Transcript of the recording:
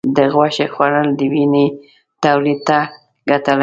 د غوښې خوړل د وینې تولید ته ګټه لري.